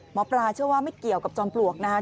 หมอปลาเชื่อว่าไม่เกี่ยวกับจอมปลวกนะครับ